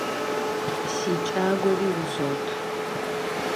Си кӀагуэри узот.